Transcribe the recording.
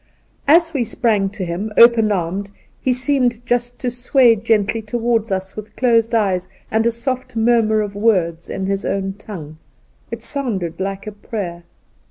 As we sprang to him open armed he seemed just to sway gently towards us with closed eyes and a soft murmur of words in his own tongue. It sounded like a prayer.